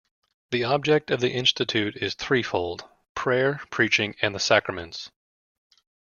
The object of the institute is threefold: prayer, preaching, and the sacraments.